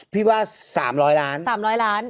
พี่ว่า๓๐๐ล้าน